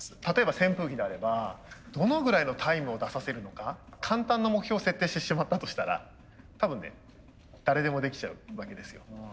例えば扇風機であればどのぐらいのタイムを出させるのか簡単な目標を設定してしまったとしたら多分ね誰でもできちゃうわけですよ。